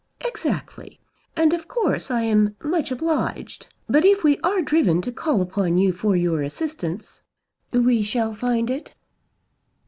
"Exactly. And of course I am much obliged. But if we are driven to call upon you for your assistance, we shall find it?"